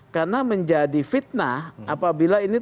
karena menjadi fitnah apabila ini turun ke negara